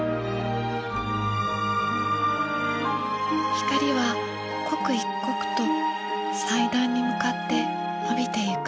光は刻一刻と祭壇に向かって伸びていく。